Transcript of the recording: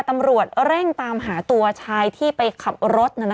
ตำรวจเร่งตามหาตัวชายที่ไปขับรถ